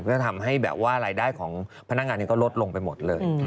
ก็ทำให้รายได้ของพนักงานนี้ก็ลดลงไปหมดเลย